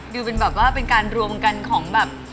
ดูเป็นการรวมกันของแบบ